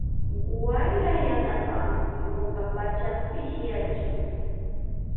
Wayra yanapan yunkapacha pishiyachun.